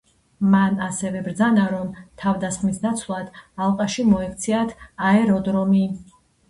მან ასევე ბრძანა, რომ თავდასხმის ნაცვლად ალყაში მოექციათ აეროდრომი.